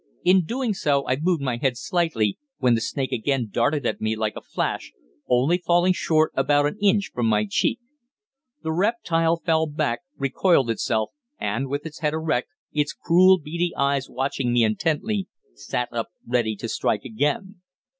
In doing so I moved my head slightly, when the snake again darted at me like a flash, only falling short about an inch from my cheek. The reptile fell back, recoiled itself, and with head erect, its cruel, beady eyes watching me intently, sat up ready to strike again.